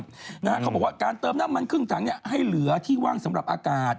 เขาบอกว่าการเติมน้ำมันครึ่งถังให้เหลือที่ว่างสำหรับอากาศ